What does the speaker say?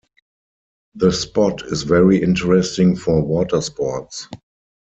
The spot is very interesting for watersports.